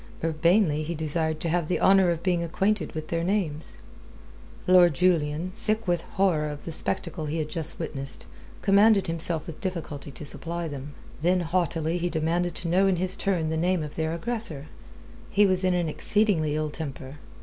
Urbanely he desired to have the honour of being acquainted with their names. Lord Julian, sick with horror of the spectacle he had just witnessed, commanded himself with difficulty to supply them. Then haughtily he demanded to know in his turn the name of their aggressor. He was in an exceedingly ill temper.